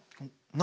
何？